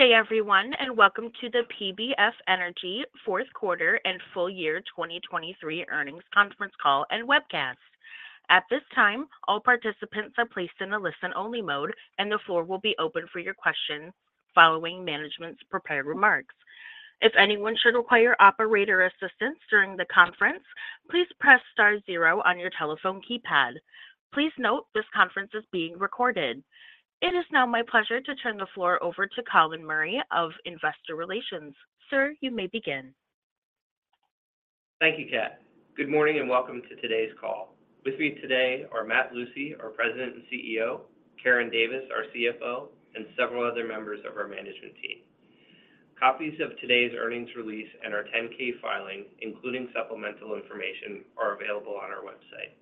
Good day, everyone, and welcome to the PBF Energy fourth quarter and full year 2023 earnings conference call and webcast. At this time, all participants are placed in a listen-only mode, and the floor will be open for your questions following management's prepared remarks. If anyone should require operator assistance during the conference, please press star 0 on your telephone keypad. Please note this conference is being recorded. It is now my pleasure to turn the floor over to Colin Murray of Investor Relations. Sir, you may begin. Thank you, Kat. Good morning and welcome to today's call. With me today are Matt Lucey, our President and CEO, Karen Davis, our CFO, and several other members of our management team. Copies of today's earnings release and our 10-K filing, including supplemental information, are available on our website.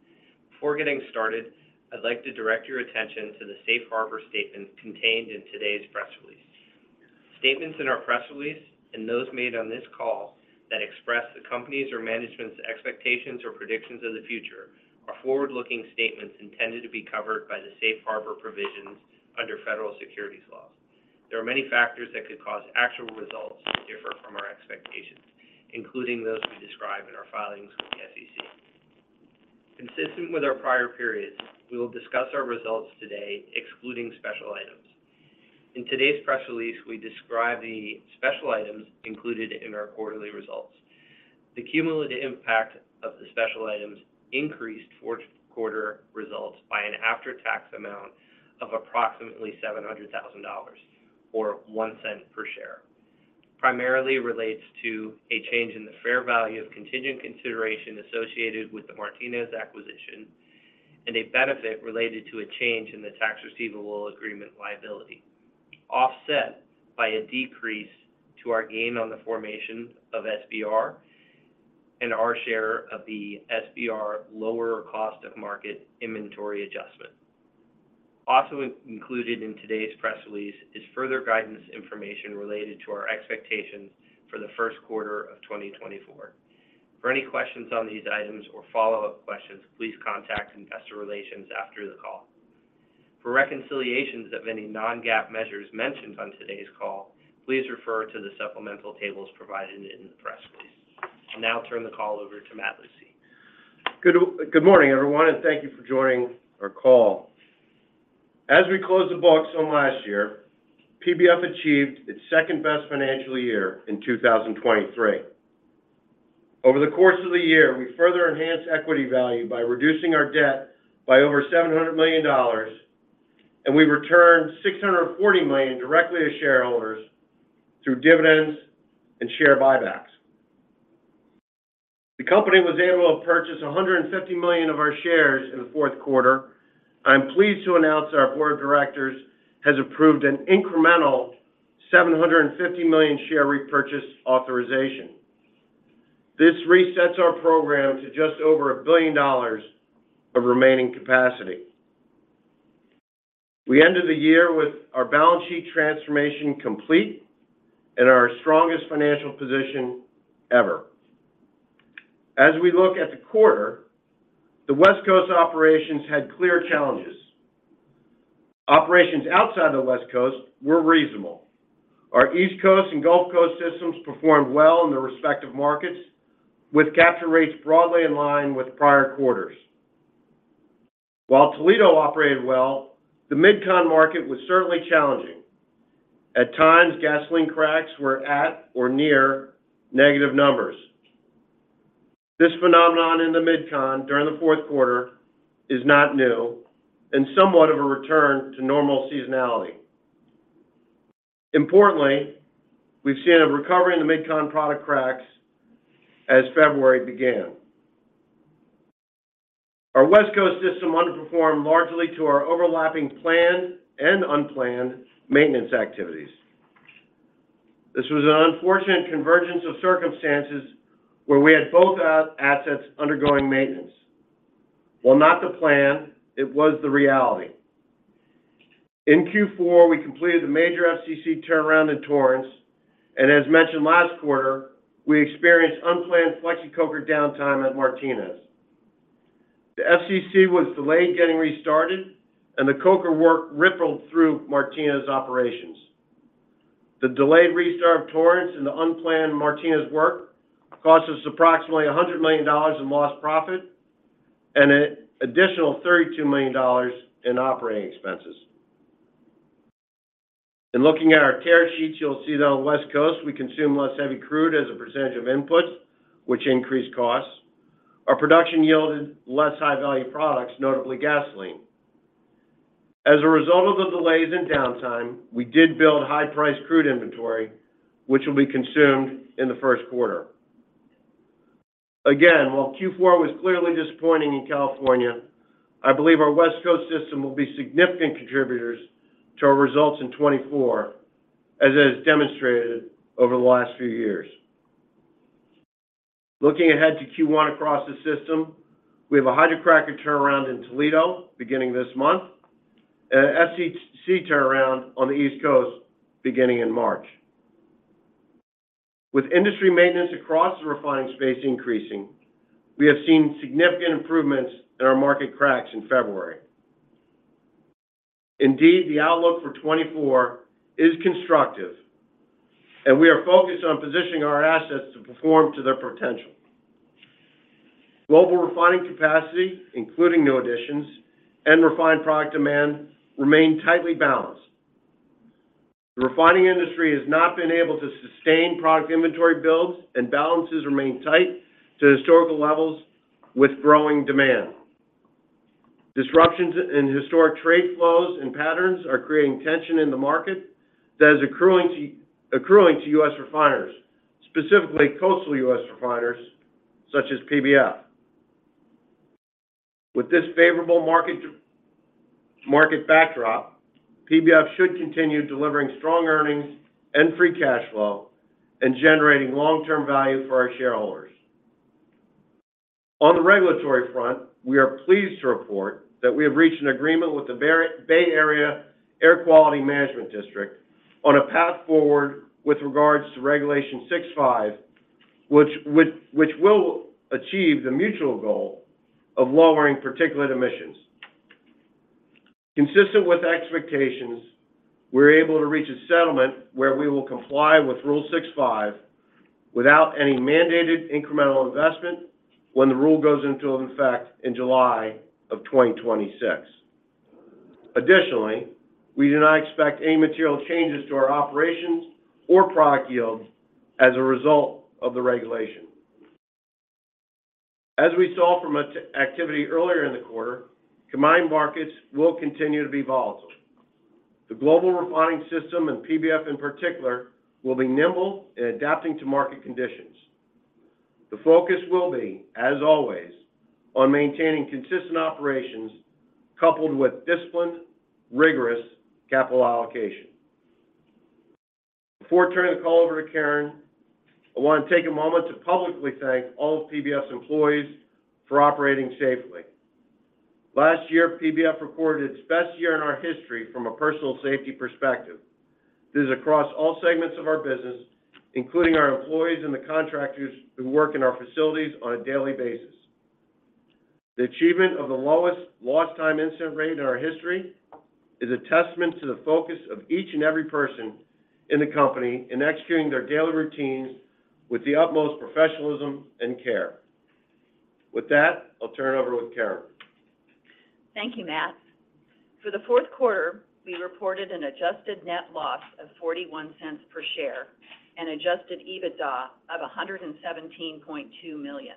Before getting started, I'd like to direct your attention to the safe harbor statements contained in today's press release. Statements in our press release and those made on this call that express the company's or management's expectations or predictions of the future are forward-looking statements intended to be covered by the safe harbor provisions under federal securities laws. There are many factors that could cause actual results to differ from our expectations, including those we describe in our filings with the SEC. Consistent with our prior periods, we will discuss our results today, excluding special items. In today's press release, we describe the special items included in our quarterly results. The cumulative impact of the special items increased fourth quarter results by an after-tax amount of approximately $700,000, or $0.01 per share. Primarily relates to a change in the fair value of contingent consideration associated with the Martinez acquisition and a benefit related to a change in the Tax Receivable Agreement liability, offset by a decrease to our gain on the formation of SBR and our share of the SBR lower of cost or market inventory adjustment. Also included in today's press release is further guidance information related to our expectations for the first quarter of 2024. For any questions on these items or follow-up questions, please contact investor relations after the call. For reconciliations of any non-GAAP measures mentioned on today's call, please refer to the supplemental tables provided in the press release. I'll now turn the call over to Matt Lucey. Good morning, everyone, and thank you for joining our call. As we close the book from last year, PBF achieved its second best financial year in 2023. Over the course of the year, we further enhanced equity value by reducing our debt by over $700 million, and we returned $640 million directly to shareholders through dividends and share buybacks. The company was able to purchase 150 million of our shares in the fourth quarter. I'm pleased to announce our board of directors has approved an incremental 750 million share repurchase authorization. This resets our program to just over $1 billion of remaining capacity. We ended the year with our balance sheet transformation complete and our strongest financial position ever. As we look at the quarter, the West Coast operations had clear challenges. Operations outside the West Coast were reasonable. Our East Coast and Gulf Coast systems performed well in their respective markets, with capture rates broadly in line with prior quarters. While Toledo operated well, the MidCon market was certainly challenging. At times, gasoline cracks were at or near negative numbers. This phenomenon in the MidCon during the fourth quarter is not new and somewhat of a return to normal seasonality. Importantly, we've seen a recovery in the MidCon product cracks as February began. Our West Coast system underperformed largely to our overlapping planned and unplanned maintenance activities. This was an unfortunate convergence of circumstances where we had both assets undergoing maintenance. While not the plan, it was the reality. In Q4, we completed the major FCC turnaround in Torrance, and as mentioned last quarter, we experienced unplanned FlexiCoker downtime at Martinez. The FCC was delayed getting restarted, and the Coker work rippled through Martinez operations. The delayed restart of Torrance and the unplanned Martinez work cost us approximately $100 million in lost profit and an additional $32 million in operating expenses. In looking at our tariff sheets, you'll see that on the West Coast, we consume less heavy crude as a percentage of inputs, which increased costs. Our production yielded less high-value products, notably gasoline. As a result of the delays and downtime, we did build high-priced crude inventory, which will be consumed in the first quarter. Again, while Q4 was clearly disappointing in California, I believe our West Coast system will be significant contributors to our results in 2024, as it has demonstrated over the last few years. Looking ahead to Q1 across the system, we have a hydrocracker turnaround in Toledo beginning this month and an FCC turnaround on the East Coast beginning in March. With industry maintenance across the refining space increasing, we have seen significant improvements in our market cracks in February. Indeed, the outlook for 2024 is constructive, and we are focused on positioning our assets to perform to their potential. Global refining capacity, including new additions and refined product demand, remains tightly balanced. The refining industry has not been able to sustain product inventory builds, and balances remain tight to historical levels with growing demand. Disruptions in historic trade flows and patterns are creating tension in the market that is accruing to U.S. refiners, specifically coastal U.S. refiners such as PBF. With this favorable market backdrop, PBF should continue delivering strong earnings and free cash flow and generating long-term value for our shareholders. On the regulatory front, we are pleased to report that we have reached an agreement with the Bay Area Air Quality Management District on a path forward with regards to Regulation 6.5, which will achieve the mutual goal of lowering particulate emissions. Consistent with expectations, we're able to reach a settlement where we will comply with Rule 6.5 without any mandated incremental investment when the rule goes into effect in July of 2026. Additionally, we do not expect any material changes to our operations or product yields as a result of the regulation. As we saw from activity earlier in the quarter, combined markets will continue to be volatile. The global refining system and PBF in particular will be nimble in adapting to market conditions. The focus will be, as always, on maintaining consistent operations coupled with disciplined, rigorous capital allocation. Before turning the call over to Karen, I want to take a moment to publicly thank all of PBF's employees for operating safely. Last year, PBF recorded its best year in our history from a personal safety perspective. This is across all segments of our business, including our employees and the contractors who work in our facilities on a daily basis. The achievement of the lowest lost-time incident rate in our history is a testament to the focus of each and every person in the company in executing their daily routines with the utmost professionalism and care. With that, I'll turn it over to Karen. Thank you, Matt. For the fourth quarter, we reported an adjusted net loss of $0.41 per share and adjusted EBITDA of $117.2 million.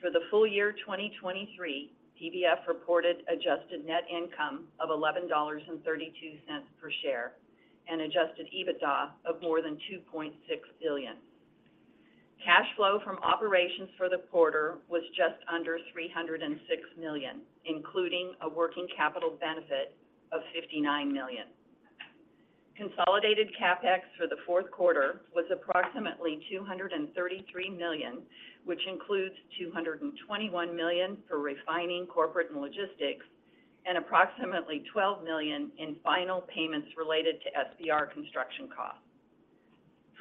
For the full year 2023, PBF reported adjusted net income of $11.32 per share and adjusted EBITDA of more than $2.6 billion. Cash flow from operations for the quarter was just under $306 million, including a working capital benefit of $59 million. Consolidated CapEx for the fourth quarter was approximately $233 million, which includes $221 million for refining, corporate, and logistics, and approximately $12 million in final payments related to SBR construction costs.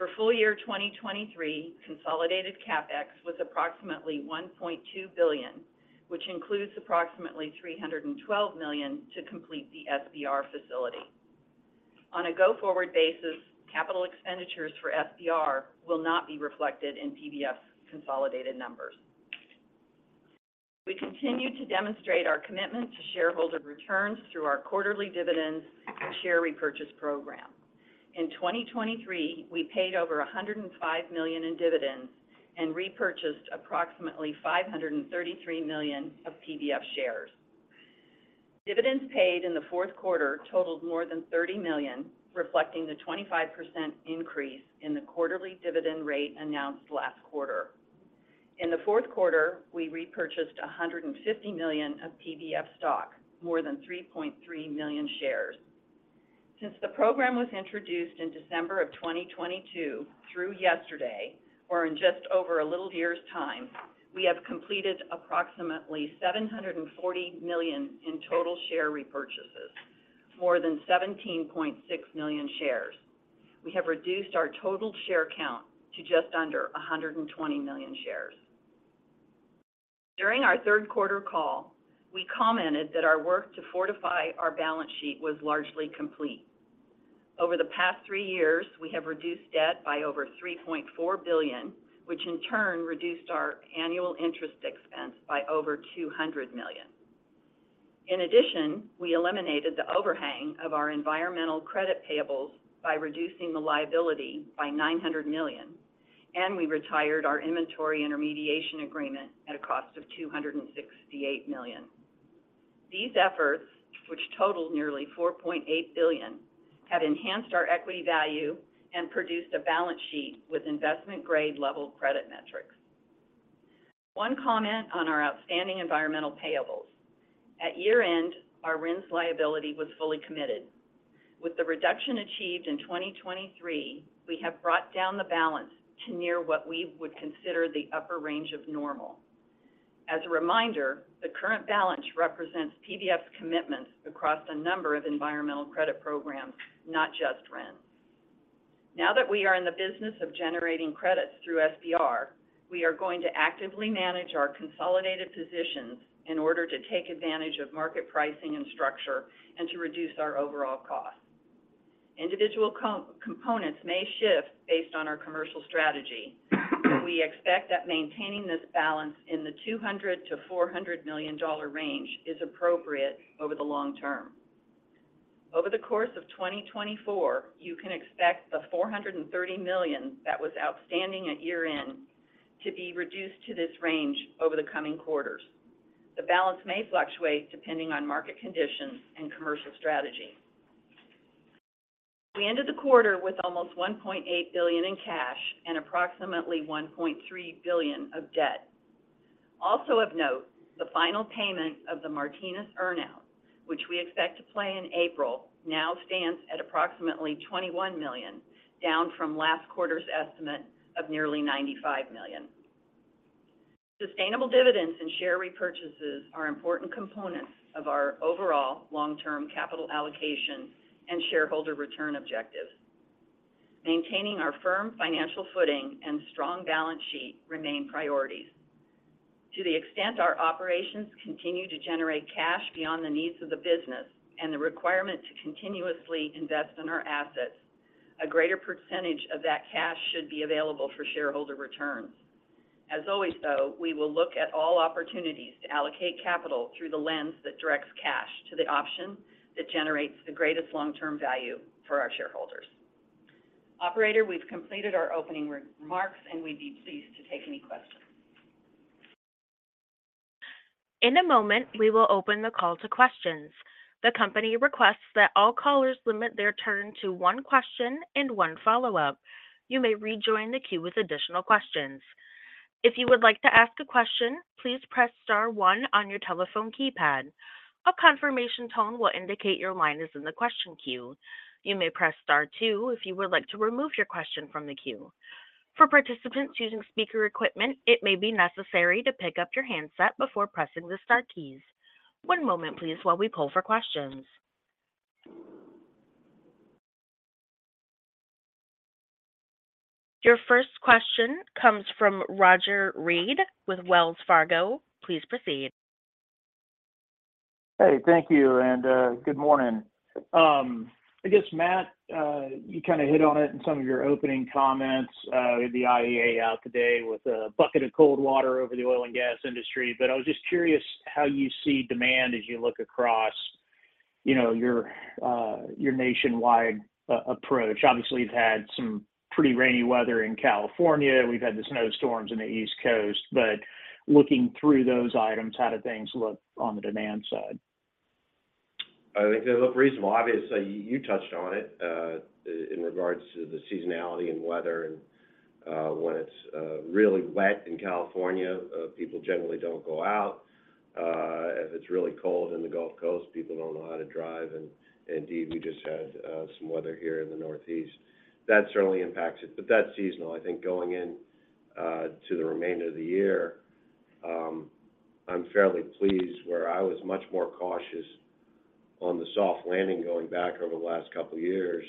For full year 2023, consolidated CapEx was approximately $1.2 billion, which includes approximately $312 million to complete the SBR facility. On a go-forward basis, capital expenditures for SBR will not be reflected in PBF's consolidated numbers. We continue to demonstrate our commitment to shareholder returns through our quarterly dividends and share repurchase program. In 2023, we paid over $105 million in dividends and repurchased approximately $533 million of PBF shares. Dividends paid in the fourth quarter totaled more than $30 million, reflecting the 25% increase in the quarterly dividend rate announced last quarter. In the fourth quarter, we repurchased $150 million of PBF stock, more than 3.3 million shares. Since the program was introduced in December of 2022 through yesterday, or in just over a little year's time, we have completed approximately $740 million in total share repurchases, more than 17.6 million shares. We have reduced our total share count to just under 120 million shares. During our third quarter call, we commented that our work to fortify our balance sheet was largely complete. Over the past three years, we have reduced debt by over $3.4 billion, which in turn reduced our annual interest expense by over $200 million. In addition, we eliminated the overhang of our environmental credit payables by reducing the liability by $900 million, and we retired our inventory intermediation agreement at a cost of $268 million. These efforts, which totaled nearly $4.8 billion, have enhanced our equity value and produced a balance sheet with investment-grade level credit metrics. One comment on our outstanding environmental payables: at year-end, our RINs liability was fully committed. With the reduction achieved in 2023, we have brought down the balance to near what we would consider the upper range of normal. As a reminder, the current balance sheet represents PBF's commitments across a number of environmental credit programs, not just RINs. Now that we are in the business of generating credits through SBR, we are going to actively manage our consolidated positions in order to take advantage of market pricing and structure and to reduce our overall costs. Individual components may shift based on our commercial strategy, but we expect that maintaining this balance in the $200 million-$400 million range is appropriate over the long term. Over the course of 2024, you can expect the $430 million that was outstanding at year-end to be reduced to this range over the coming quarters. The balance may fluctuate depending on market conditions and commercial strategy. We ended the quarter with almost $1.8 billion in cash and approximately $1.3 billion of debt. Also of note, the final payment of the Martinez earnout, which we expect to pay in April, now stands at approximately $21 million, down from last quarter's estimate of nearly $95 million. Sustainable dividends and share repurchases are important components of our overall long-term capital allocation and shareholder return objectives. Maintaining our firm financial footing and strong balance sheet remain priorities. To the extent our operations continue to generate cash beyond the needs of the business and the requirement to continuously invest in our assets, a greater percentage of that cash should be available for shareholder returns. As always, though, we will look at all opportunities to allocate capital through the lens that directs cash to the option that generates the greatest long-term value for our shareholders. Operator, we've completed our opening remarks, and we'd be pleased to take any questions. In a moment, we will open the call to questions. The company requests that all callers limit their turn to one question and one follow-up. You may rejoin the queue with additional questions. If you would like to ask a question, please press star one on your telephone keypad. A confirmation tone will indicate your line is in the question queue. You may press star two if you would like to remove your question from the queue. For participants using speaker equipment, it may be necessary to pick up your handset before pressing the star keys. One moment, please, while we pull for questions. Your first question comes from Roger Read with Wells Fargo. Please proceed. Hey, thank you. And good morning. I guess, Matt, you kind of hit on it in some of your opening comments. We had the IEA out today with a bucket of cold water over the oil and gas industry. But I was just curious how you see demand as you look across your nationwide approach. Obviously, you've had some pretty rainy weather in California. We've had the snowstorms on the East Coast. But looking through those items, how do things look on the demand side? I think they look reasonable. Obviously, you touched on it in regards to the seasonality and weather. And when it's really wet in California, people generally don't go out. If it's really cold in the Gulf Coast, people don't know how to drive. And indeed, we just had some weather here in the Northeast. That certainly impacts it. But that's seasonal. I think going into the remainder of the year, I'm fairly pleased where I was much more cautious on the soft landing going back over the last couple of years.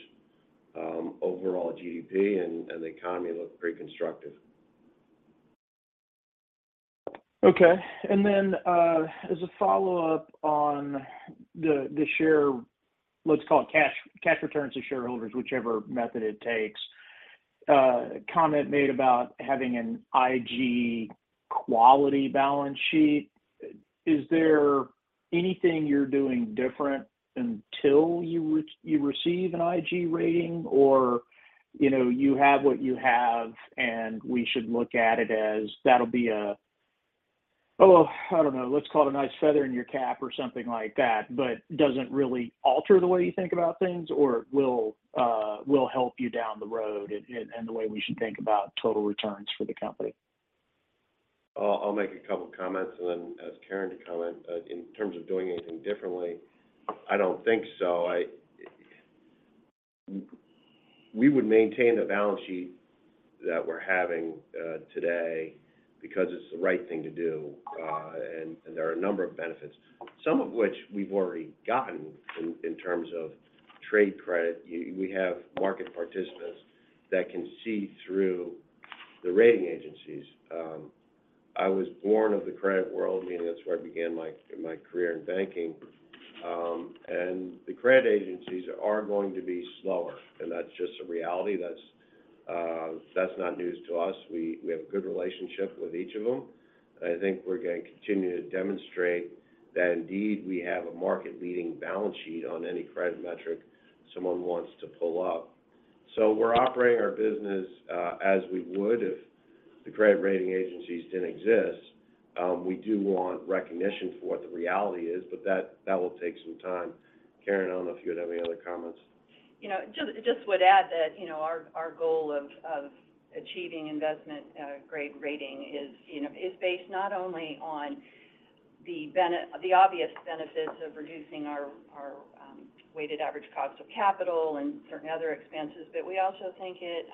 Overall GDP and the economy look pretty constructive. Okay. And then as a follow-up on the share, let's call it cash returns to shareholders, whichever method it takes, comment made about having an IG quality balance sheet. Is there anything you're doing different until you receive an IG rating, or you have what you have, and we should look at it as that'll be a, "Oh, I don't know. Let's call it a nice feather in your cap," or something like that, but doesn't really alter the way you think about things, or it will help you down the road in the way we should think about total returns for the company? I'll make a couple of comments. And then ask Karen to comment, in terms of doing anything differently, I don't think so. We would maintain the balance sheet that we're having today because it's the right thing to do. And there are a number of benefits, some of which we've already gotten in terms of trade credit. We have market participants that can see through the rating agencies. I was born of the credit world, meaning that's where I began my career in banking. And the credit agencies are going to be slower. And that's just a reality. That's not news to us. We have a good relationship with each of them. And I think we're going to continue to demonstrate that indeed, we have a market-leading balance sheet on any credit metric someone wants to pull up. So we're operating our business as we would if the credit rating agencies didn't exist. We do want recognition for what the reality is, but that will take some time. Karen, I don't know if you had any other comments. just would add that our goal of achieving an Investment-Grade rating is based not only on the obvious benefits of reducing our weighted average cost of capital and certain other expenses, but we also think it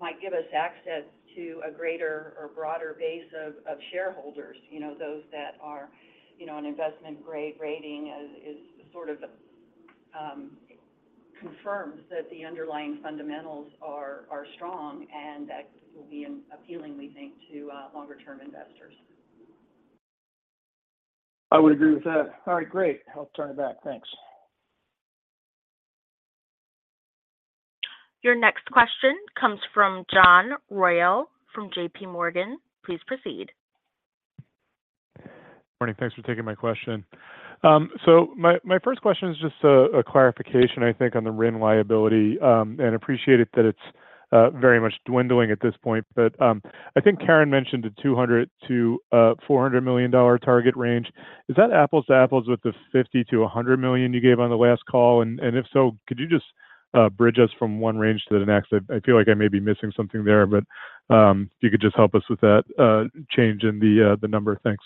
might give us access to a greater or broader base of shareholders, those that an Investment-Grade rating sort of confirms that the underlying fundamentals are strong and that will be appealing, we think, to longer-term investors. I would agree with that. All right. Great. I'll turn it back. Thanks. Your next question comes from John Royall from JPMorgan. Please proceed. Morning. Thanks for taking my question. So my first question is just a clarification, I think, on the RIN liability. And I appreciate it that it's very much dwindling at this point. But I think Karen mentioned the $200-$400 million target range. Is that apples to apples with the $50-$100 million you gave on the last call? And if so, could you just bridge us from one range to the next? I feel like I may be missing something there, but if you could just help us with that change in the number. Thanks.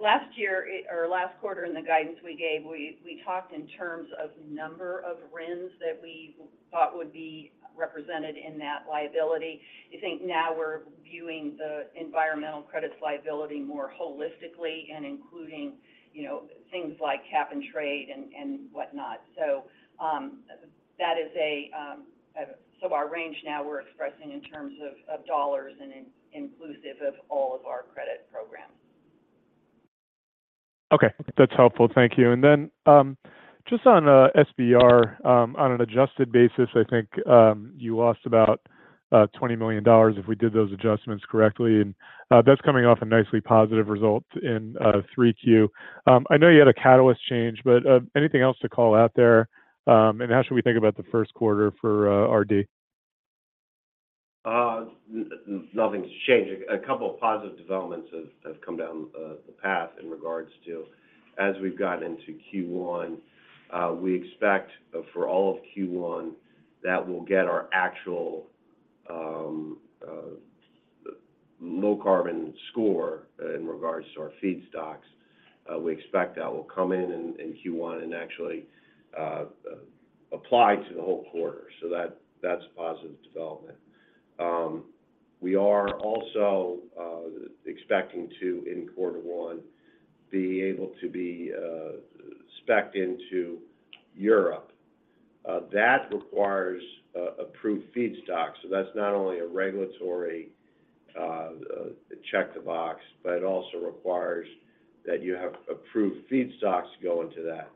Last year or last quarter, in the guidance we gave, we talked in terms of number of RINs that we thought would be represented in that liability. I think now we're viewing the environmental credits liability more holistically and including things like cap and trade and whatnot. So, our range now we're expressing in terms of dollars and inclusive of all of our credit programs. Okay. That's helpful. Thank you. And then just on SBR, on an adjusted basis, I think you lost about $20 million if we did those adjustments correctly. And that's coming off a nicely positive result in 3Q. I know you had a catalyst change, but anything else to call out there? And how should we think about the first quarter for RD? Nothing's changed. A couple of positive developments have come down the path in regards to as we've gotten into Q1. We expect for all of Q1 that we'll get our actual low-carbon score in regards to our feedstocks. We expect that will come in in Q1 and actually apply to the whole quarter. So that's a positive development. We are also expecting to, in quarter one, be able to be specced into Europe. That requires approved feedstocks. So that's not only a regulatory check the box, but it also requires that you have approved feedstocks go into that.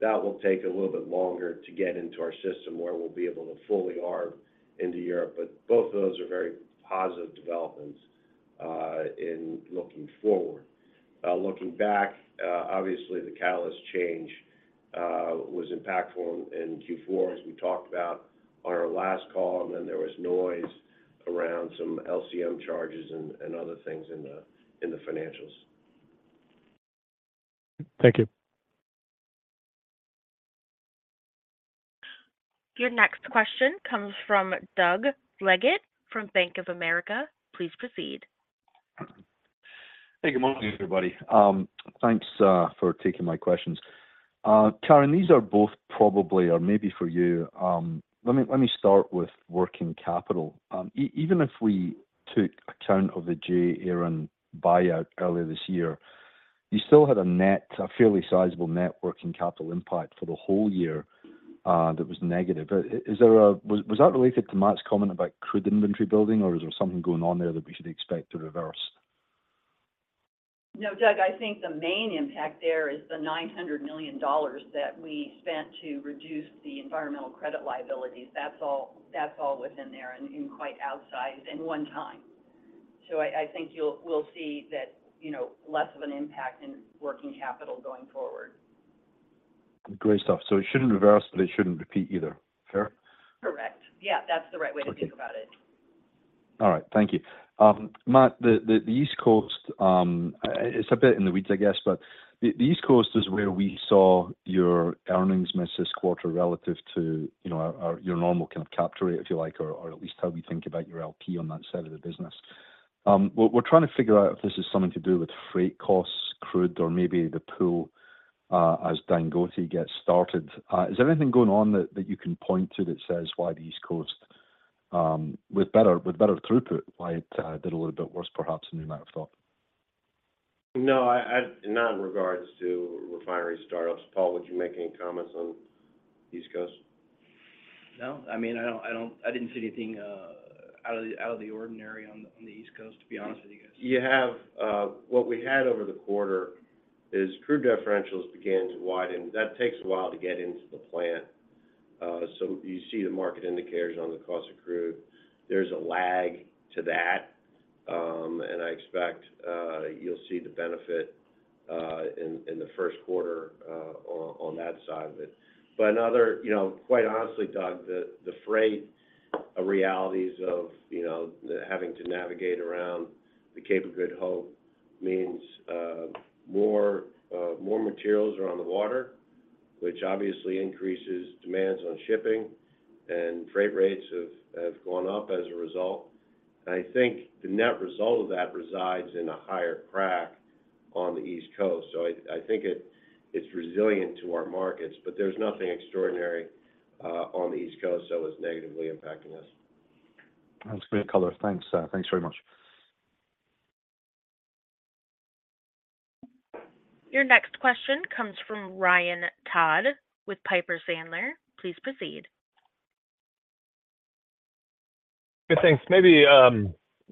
That will take a little bit longer to get into our system where we'll be able to fully ARB into Europe. But both of those are very positive developments in looking forward. Looking back, obviously, the catalyst change was impactful in Q4, as we talked about on our last call. And then there was noise around some LCM charges and other things in the financials. Thank you. Your next question comes from Doug Leggett from Bank of America. Please proceed. Hey, good morning, everybody. Thanks for taking my questions. Karen, these are both probably or maybe for you. Let me start with working capital. Even if we took account of the J. Aron buyout earlier this year, you still had a fairly sizable net working capital impact for the whole year that was negative. Was that related to Matt's comment about crude inventory building, or is there something going on there that we should expect to reverse? No, Doug, I think the main impact there is the $900 million that we spent to reduce the environmental credit liabilities. That's all within there and quite outsized in one time. So I think we'll see that less of an impact in working capital going forward. Great stuff. So it shouldn't reverse, but it shouldn't repeat either, fair? Correct. Yeah, that's the right way to think about it. All right. Thank you. Matt, the East Coast, it's a bit in the weeds, I guess, but the East Coast is where we saw your earnings miss this quarter relative to your normal kind of capture, if you like, or at least how we think about your LP on that side of the business. We're trying to figure out if this is something to do with freight costs, crude, or maybe the pool as Dangote gets started. Is there anything going on that you can point to that says why the East Coast with better throughput, why it did a little bit worse, perhaps, than we might have thought? No, not in regards to refinery startups. Paul, would you make any comments on East Coast? No. I mean, I didn't see anything out of the ordinary on the East Coast, to be honest with you guys. What we had over the quarter is crude differentials began to widen because that takes a while to get into the plant. So you see the market indicators on the cost of crude. There's a lag to that. And I expect you'll see the benefit in the first quarter on that side of it. But quite honestly, Doug, the freight realities of having to navigate around the Cape of Good Hope means more materials are on the water, which obviously increases demands on shipping. And freight rates have gone up as a result. And I think the net result of that resides in a higher crack on the East Coast. So I think it's resilient to our markets, but there's nothing extraordinary on the East Coast that was negatively impacting us. That's a great color. Thanks. Thanks very much. Your next question comes from Ryan Todd with Piper Sandler. Please proceed. Good. Thanks.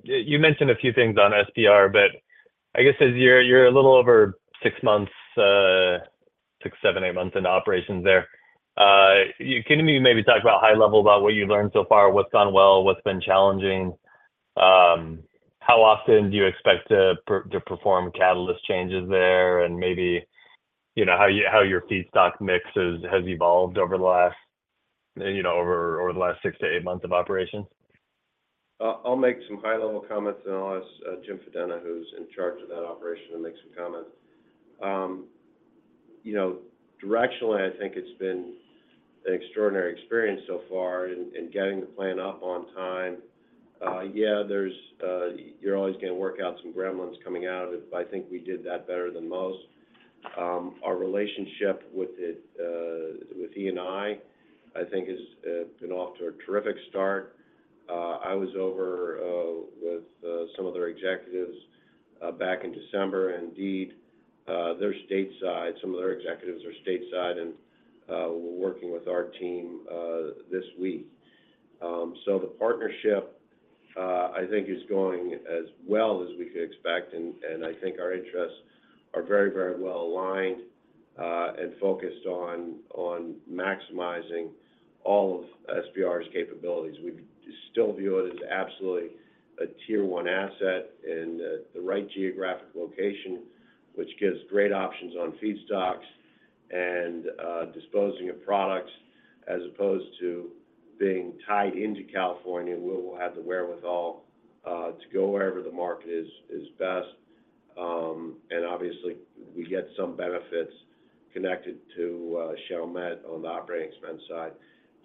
You mentioned a few things on SBR, but I guess you're a little over six months, 6, 7, 8 months into operations there. Can you maybe talk about high level about what you've learned so far, what's gone well, what's been challenging? How often do you expect to perform catalyst changes there and maybe how your feedstock mix has evolved over the last 6ameto 8 months of operations? I'll make some high-level comments, and I'll ask James Fedena, who's in charge of that operation, to make some comments. Directionally, I think it's been an extraordinary experience so far in getting the plan up on time. Yeah, you're always going to work out some gremlins coming out of it, but I think we did that better than most. Our relationship with Eni, I think, has been off to a terrific start. I was over with some of their executives back in December. And indeed, some of their executives are stateside, and we're working with our team this week. So the partnership, I think, is going as well as we could expect. And I think our interests are very, very well aligned and focused on maximizing all of SBR's capabilities. We still view it as absolutely a tier-one asset in the right geographic location, which gives great options on feedstocks and disposing of products as opposed to being tied into California. We'll have the wherewithal to go wherever the market is best. Obviously, we get some benefits connected to Chalmette on the operating expense side.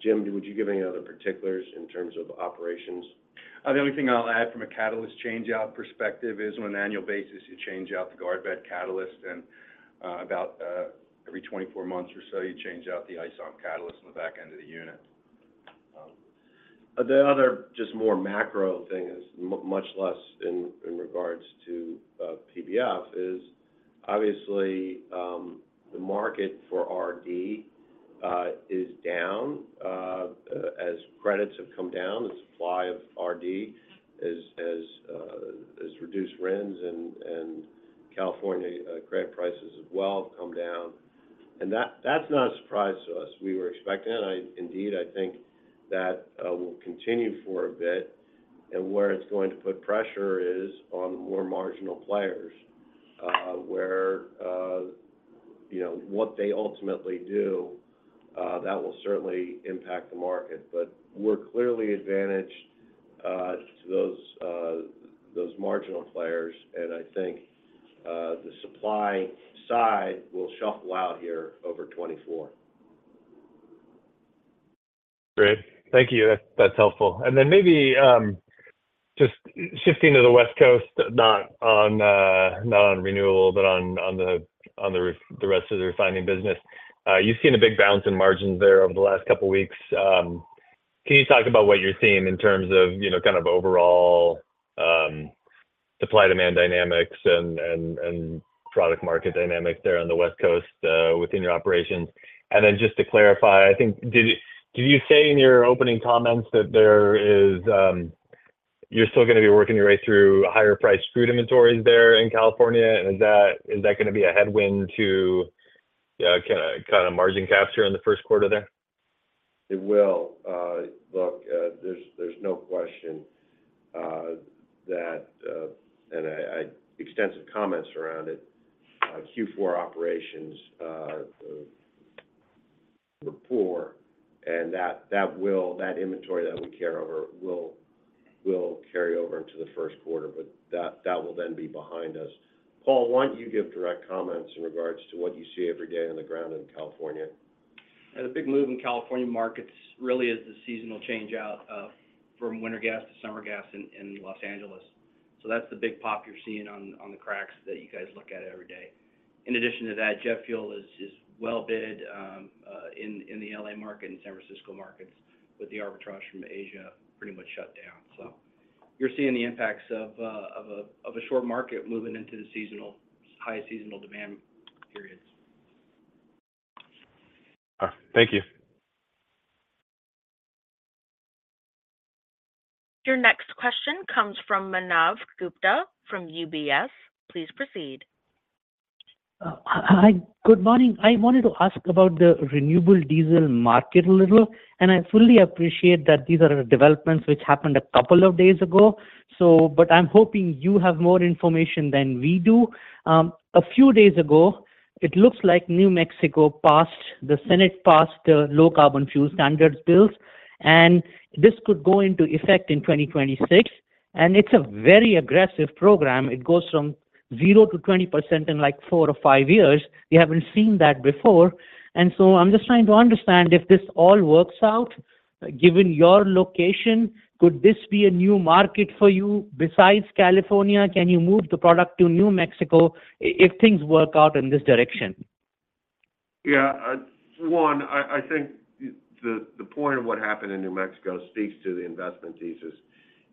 Jim, would you give any other particulars in terms of operations? The only thing I'll add from a catalyst change out perspective is on an annual basis, you change out the guard bed catalyst. About every 24 months or so, you change out the ISOM catalyst in the back end of the unit. The other just more macro thing, much less in regard to PBF, is obviously the market for RD is down as credits have come down. The supply of RD has reduced. RINs and California credit prices as well have come down. That's not a surprise to us. We were expecting it. Indeed, I think that will continue for a bit. And where it's going to put pressure is on the more marginal players, where what they ultimately do, that will certainly impact the market. But we're clearly advantaged to those marginal players. I think the supply side will shuffle out here over 2024. Great. Thank you. That's helpful. And then maybe just shifting to the West Coast, not on renewable, but on the rest of the refining business, you've seen a big bounce in margins there over the last couple of weeks. Can you talk about what you're seeing in terms of kind of overall supply-demand dynamics and product-market dynamics there on the West Coast within your operations? And then just to clarify, I think did you say in your opening comments that you're still going to be working your way through higher-priced crude inventories there in California? And is that going to be a headwind to kind of margin capture in the first quarter there? It will. Look, there's no question that and extensive comments around it. Q4 operations were poor. That inventory that we carry over will carry over into the first quarter, but that will then be behind us. Paul, why don't you give direct comments in regards to what you see every day on the ground in California? The big move in California markets really is the seasonal changeout from winter gas to summer gas in Los Angeles. That's the big pop you're seeing on the cracks that you guys look at every day. In addition to that, jet fuel is well bid in the L.A. market and San Francisco markets, with the arbitrage from Asia pretty much shut down. You're seeing the impacts of a short market moving into the high seasonal demand periods. Thank you. Your next question comes from Manav Gupta from UBS. Please proceed. Hi. Good morning. I wanted to ask about the renewable diesel market a little. I fully appreciate that these are developments which happened a couple of days ago, but I'm hoping you have more information than we do. A few days ago, it looks like the New Mexico Senate passed the low-carbon fuel standards bills. This could go into effect in 2026. It's a very aggressive program. It goes from 0% to 20% in like four or five years. We haven't seen that before. So I'm just trying to understand if this all works out. Given your location, could this be a new market for you besides California? Can you move the product to New Mexico if things work out in this direction? Yeah. One, I think the point of what happened in New Mexico speaks to the investment thesis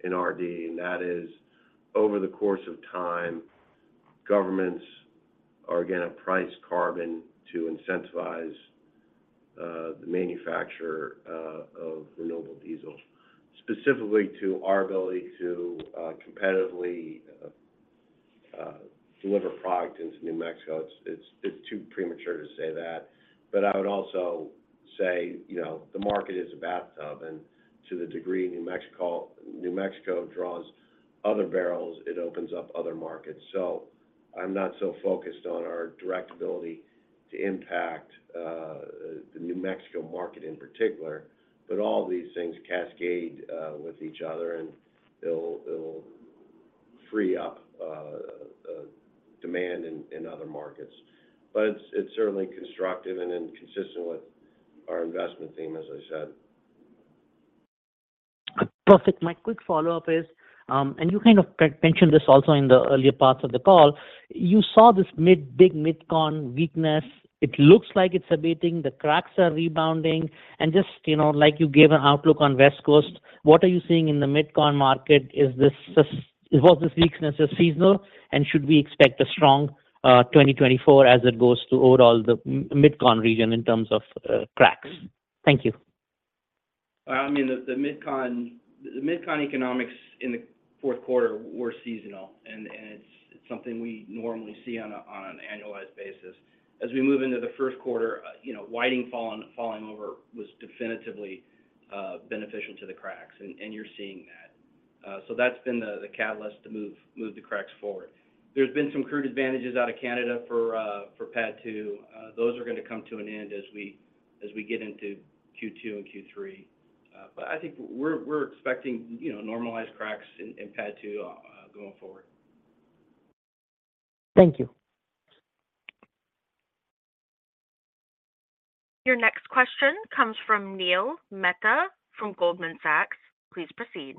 in RD. And that is, over the course of time, governments are going to price carbon to incentivize the manufacturer of renewable diesel, specifically to our ability to competitively deliver product into New Mexico. It's too premature to say that. But I would also say the market is a bathtub. And to the degree New Mexico draws other barrels, it opens up other markets. So I'm not so focused on our direct ability to impact the New Mexico market in particular, but all these things cascade with each other, and it'll free up demand in other markets. But it's certainly constructive and consistent with our investment theme, as I said. Perfect. My quick follow-up is, and you kind of mentioned this also in the earlier parts of the call. You saw this big MidCon weakness. It looks like it's abating. The cracks are rebounding. And just like you gave an outlook on West Coast, what are you seeing in the MidCon market? Was this weakness just seasonal, and should we expect a strong 2024 as it goes to overall the MidCon region in terms of cracks? Thank you. I mean, the MidCon economics in the fourth quarter were seasonal, and it's something we normally see on an annualized basis. As we move into the first quarter, Whiting falling over was definitively beneficial to the cracks, and you're seeing that. So that's been the catalyst to move the cracks forward. There's been some crude advantages out of Canada for PADD 2. Those are going to come to an end as we get into Q2 and Q3. But I think we're expecting normalized cracks in PADD 2 going forward. Thank you. Your next question comes from Neil Mehta from Goldman Sachs. Please proceed.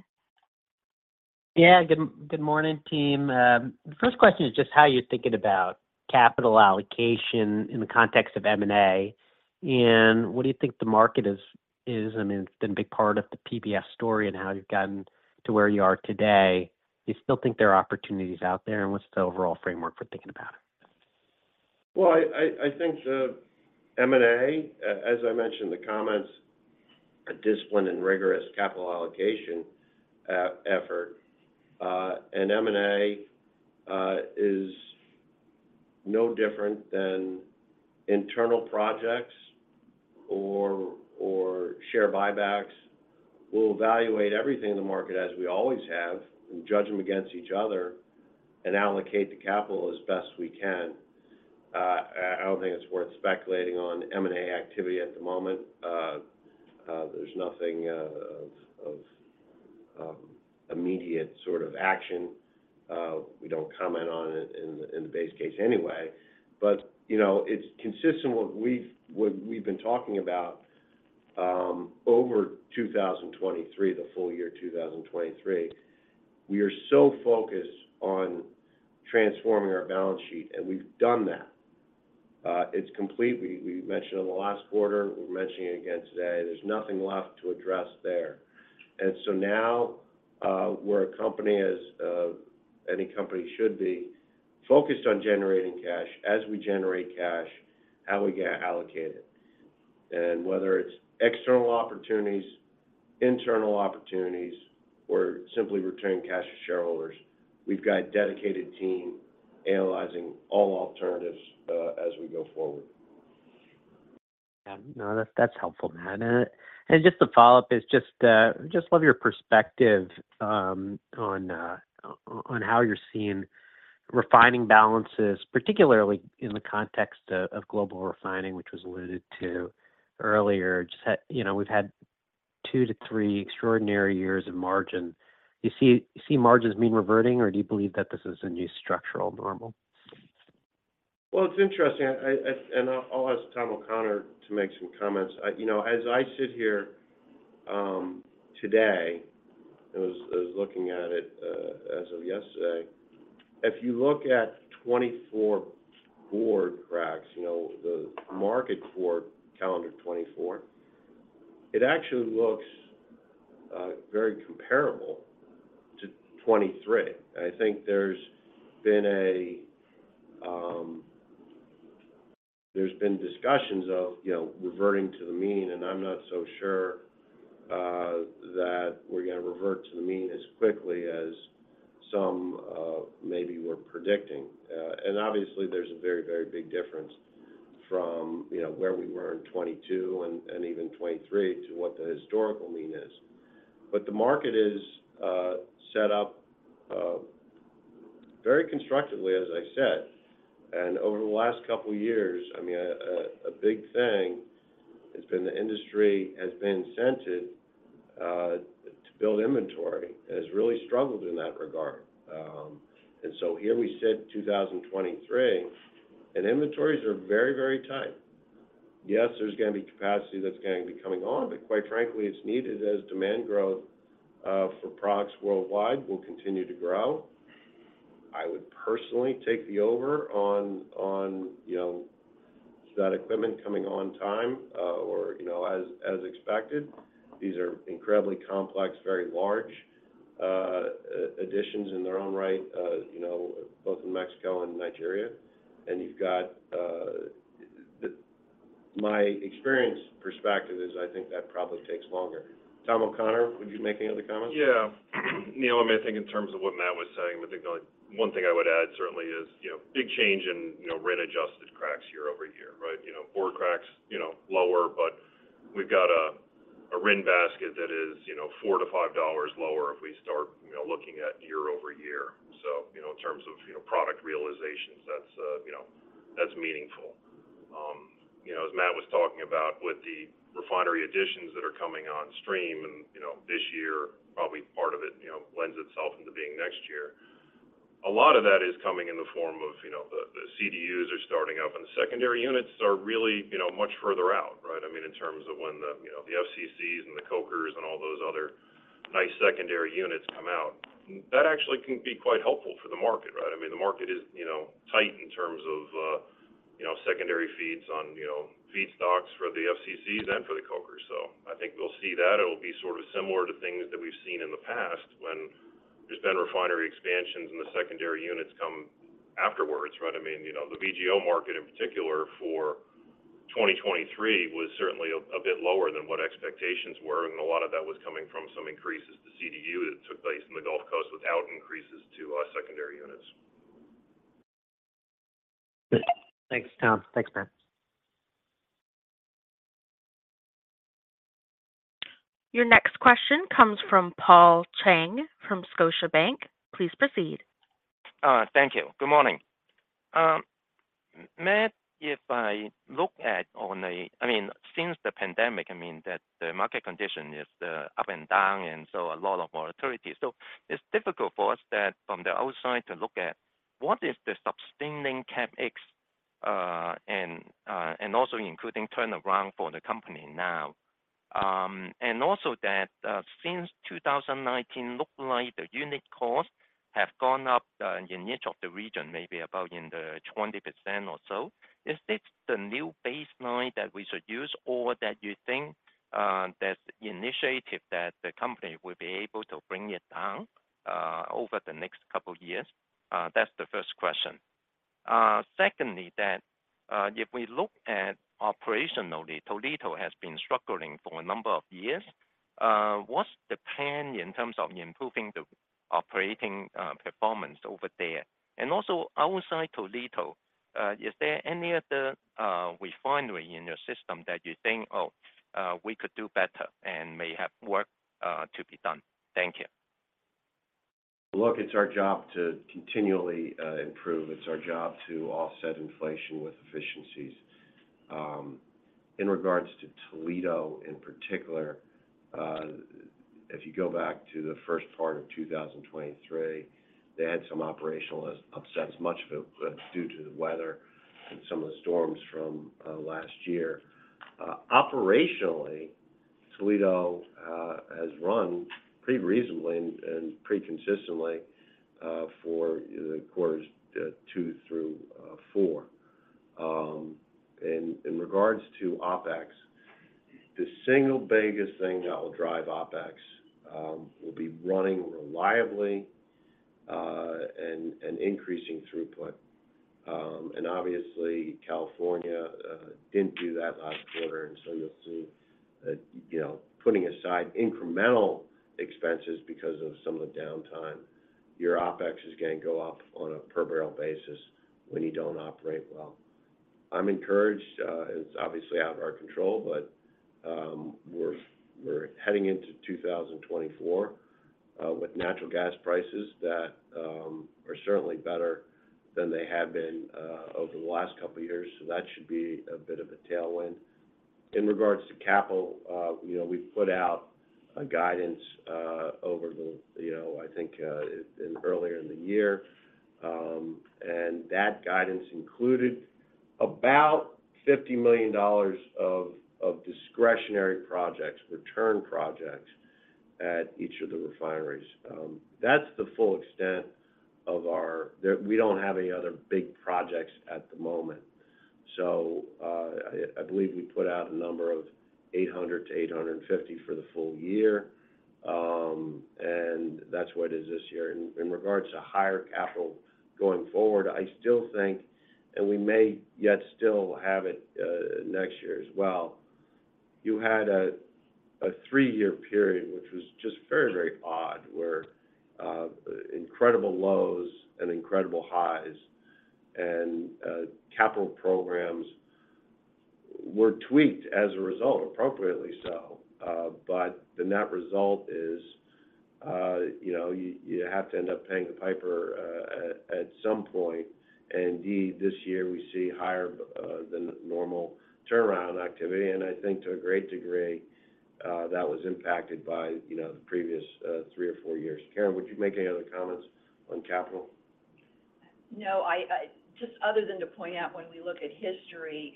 Yeah. Good morning, team. The first question is just how you're thinking about capital allocation in the context of M&A. What do you think the market is? I mean, it's been a big part of the PBF story and how you've gotten to where you are today. Do you still think there are opportunities out there, and what's the overall framework for thinking about it? Well, I think the M&A, as I mentioned in the comments, a disciplined and rigorous capital allocation effort. M&A is no different than internal projects or share buybacks. We'll evaluate everything in the market as we always have and judge them against each other and allocate the capital as best we can. I don't think it's worth speculating on M&A activity at the moment. There's nothing of immediate sort of action. We don't comment on it in the base case anyway. It's consistent with what we've been talking about over 2023, the full year 2023. We are so focused on transforming our balance sheet, and we've done that. It's complete. We mentioned it in the last quarter. We're mentioning it again today. There's nothing left to address there. So now we're a company, as any company should be, focused on generating cash. As we generate cash, how we allocate it. Whether it's external opportunities, internal opportunities, or simply returning cash to shareholders, we've got a dedicated team analyzing all alternatives as we go forward. Yeah. No, that's helpful, Matt. And just a follow-up is just I just love your perspective on how you're seeing refining balances, particularly in the context of global refining, which was alluded to earlier. We've had two to three extraordinary years of margin. Do you see margins mean reverting, or do you believe that this is a new structural normal? Well, it's interesting. And I'll ask Tom O'Connor to make some comments. As I sit here today and was looking at it as of yesterday, if you look at 2024 board cracks, the market for calendar 2024, it actually looks very comparable to 2023. I think there's been discussions of reverting to the mean, and I'm not so sure that we're going to revert to the mean as quickly as some maybe were predicting. And obviously, there's a very, very big difference from where we were in 2022 and even 2023 to what the historical mean is. But the market is set up very constructively, as I said. And over the last couple of years, I mean, a big thing has been the industry has been incented to build inventory and has really struggled in that regard. And so here we sit, 2023, and inventories are very, very tight. Yes, there's going to be capacity that's going to be coming on, but quite frankly, it's needed as demand growth for products worldwide will continue to grow. I would personally take the over on is that equipment coming on time or as expected? These are incredibly complex, very large additions in their own right, both in Mexico and Nigeria. My experience perspective is I think that probably takes longer. Tom O'Connor, would you make any other comments? Yeah. Neil, I mean, I think in terms of what Matt was saying, I think the only one thing I would add certainly is big change in net-adjusted cracks year-over-year, right? Board cracks lower, but we've got a net basket that is $4-$5 lower if we start looking at year-over-year. So in terms of product realizations, that's meaningful. As Matt was talking about with the refinery additions that are coming on stream this year, probably part of it lends itself into being next year. A lot of that is coming in the form of the CDUs are starting up, and the secondary units are really much further out, right? I mean, in terms of when the FCCs and the Cokers and all those other nice secondary units come out, that actually can be quite helpful for the market, right? I mean, the market is tight in terms of secondary feeds on feedstocks for the FCCs and for the Cokers. So I think we'll see that. It'll be sort of similar to things that we've seen in the past when there's been refinery expansions and the secondary units come afterwards, right? I mean, the VGO market in particular for 2023 was certainly a bit lower than what expectations were. And a lot of that was coming from some increases to CDU that took place in the Gulf Coast without increases to secondary units. Thanks, Tom. Thanks, Matt. Your next question comes from Paul Chang from Scotiabank. Please proceed. Thank you. Good morning. Matt, if I look at on the I mean, since the pandemic, I mean, that the market condition is up and down and so a lot of volatility. So it's difficult for us from the outside to look at what is the sustaining CapEx and also including turnaround for the company now. Also, since 2019, it looked like the unit costs have gone up in each of the region maybe about in the 20% or so. Is this the new baseline that we should use, or that you think there's initiative that the company will be able to bring it down over the next couple of years? That's the first question. Secondly, that if we look at operationally, Toledo has been struggling for a number of years. What's the plan in terms of improving the operating performance over there? And also outside Toledo, is there any other refinery in your system that you think, "Oh, we could do better and may have work to be done"? Thank you. Look, it's our job to continually improve. It's our job to offset inflation with efficiencies. In regards to Toledo in particular, if you go back to the first part of 2023, they had some operational upsets, much of it due to the weather and some of the storms from last year. Operationally, Toledo has run pretty reasonably and pretty consistently for the quarters two through four. In regards to OpEx, the single biggest thing that will drive OpEx will be running reliably and increasing throughput. Obviously, California didn't do that last quarter. So you'll see that putting aside incremental expenses because of some of the downtime, your OpEx is going to go up on a per-barrel basis when you don't operate well. I'm encouraged. It's obviously out of our control, but we're heading into 2024 with natural gas prices that are certainly better than they have been over the last couple of years. So that should be a bit of a tailwind. In regard to capital, we've put out guidance, I think, earlier in the year. And that guidance included about $50 million of discretionary projects, return projects at each of the refineries. That's the full extent of our. We don't have any other big projects at the moment. So I believe we put out a number of $800 million-$850 million for the full year. And that's what it is this year. In regard to higher capital going forward, I still think, and we may yet still have it next year as well. You had a three-year period, which was just very, very odd, where incredible lows and incredible highs, and capital programs were tweaked as a result, appropriately so. But then that result is you have to end up paying the piper at some point. And indeed, this year, we see higher than normal turnaround activity. And I think to a great degree, that was impacted by the previous three or four years. Karen, would you make any other comments on capital? No. Just other than to point out when we look at history,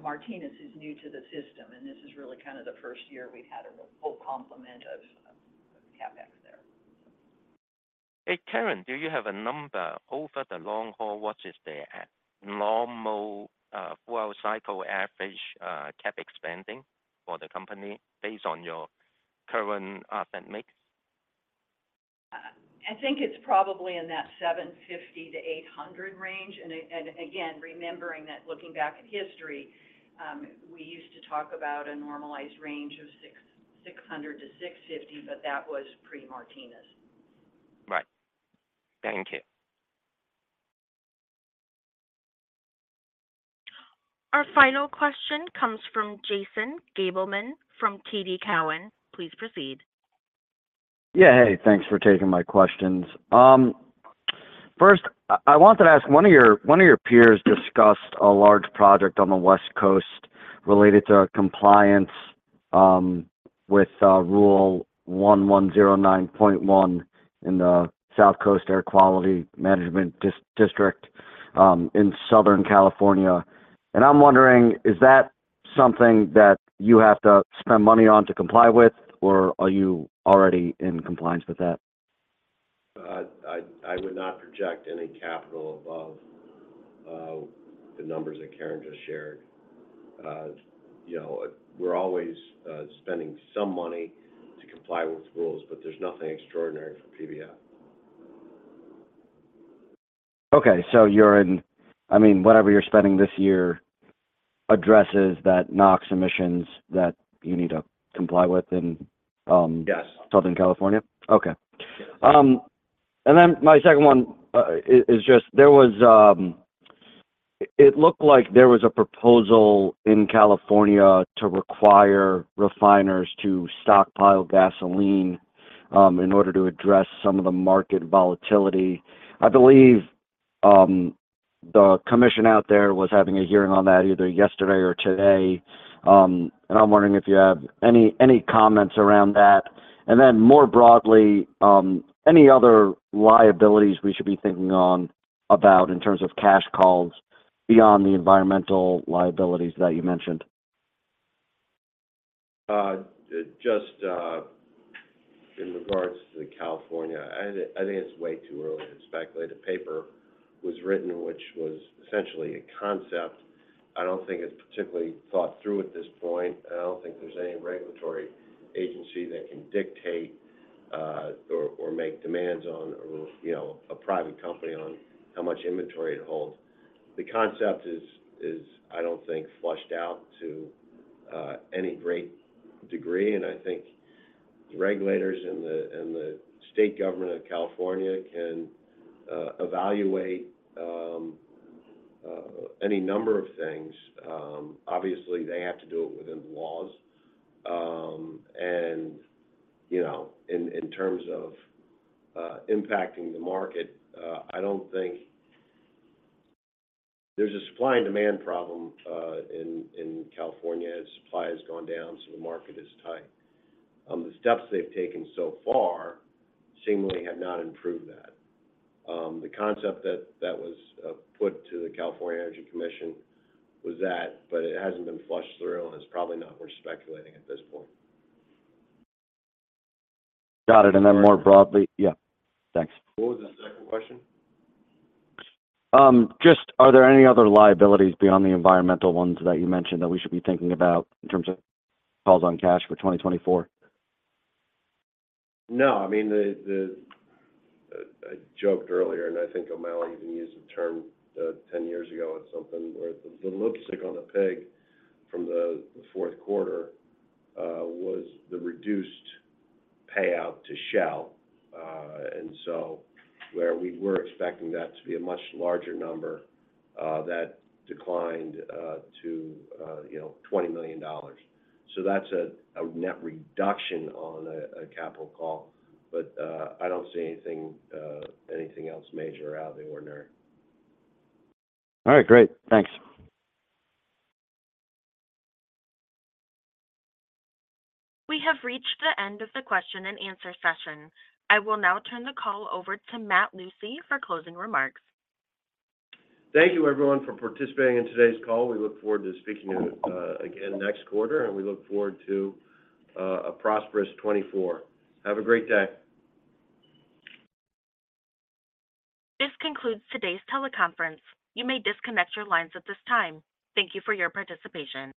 Martinez is new to the system, and this is really kind of the first year we've had a full complement of CapEx there, so. Hey, Karen, do you have a number, over the long haul, what is the normal four-hour cycle average CapEx spending for the company based on your current asset mix? I think it's probably in that 750-800 range. Again, remembering that looking back at history, we used to talk about a normalized range of 600-650, but that was pre-Martinez. Right. Thank you. Our final question comes from Jason Gabelman from TD Cowen. Please proceed. Yeah. Hey. Thanks for taking my questions. First, I wanted to ask one of your peers discussed a large project on the West Coast related to compliance with Rule 1109.1 in the South Coast Air Quality Management District in Southern California. I'm wondering, is that something that you have to spend money on to comply with, or are you already in compliance with that? I would not project any capital above the numbers that Karen just shared. We're always spending some money to comply with rules, but there's nothing extraordinary for PBF. Okay. So I mean, whatever you're spending this year addresses that NOx emissions that you need to comply with in Southern California? Yes. Okay. And then my second one is just it looked like there was a proposal in California to require refiners to stockpile gasoline in order to address some of the market volatility. I believe the commission out there was having a hearing on that either yesterday or today. And I'm wondering if you have any comments around that. And then more broadly, any other liabilities we should be thinking about in terms of cash calls beyond the environmental liabilities that you mentioned? Just in regards to California, I think it's way too early to speculate. A paper was written, which was essentially a concept. I don't think it's particularly thought through at this point. I don't think there's any regulatory agency that can dictate or make demands on a private company on how much inventory it holds. The concept is, I don't think, fleshed out to any great degree. I think the regulators and the state government of California can evaluate any number of things. Obviously, they have to do it within the laws. In terms of impacting the market, I don't think there's a supply and demand problem in California. Supply has gone down, so the market is tight. The steps they've taken so far seemingly have not improved that. The concept that was put to the California Energy Commission was that, but it hasn't been flushed through, and it's probably not worth speculating at this point. Got it. And then more broadly, yeah. Thanks. What was the second question? Just, are there any other liabilities beyond the environmental ones that you mentioned that we should be thinking about in terms of calls on cash for 2024? No. I mean, I joked earlier, and I think O'Malley even used the term 10 years ago at something where the lipstick on the pig from the fourth quarter was the reduced payout to Shell. And so where we were expecting that to be a much larger number, that declined to $20 million. So that's a net reduction on a capital call. But I don't see anything else major out of the ordinary. All right. Great. Thanks. We have reached the end of the question and answer session. I will now turn the call over to Matt Lucey for closing remarks. Thank you, everyone, for participating in today's call. We look forward to speaking to you again next quarter, and we look forward to a prosperous 2024. Have a great day. This concludes today's teleconference. You may disconnect your lines at this time. Thank you for your participation.